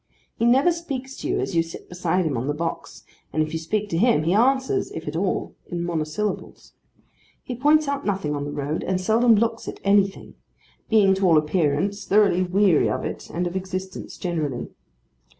He never speaks to you as you sit beside him on the box, and if you speak to him, he answers (if at all) in monosyllables. He points out nothing on the road, and seldom looks at anything: being, to all appearance, thoroughly weary of it and of existence generally.